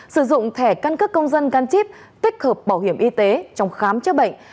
sử dụng thẻ căn cước công dân gắn chip tích hợp bảo hiểm y tế trong khám chữa bệnh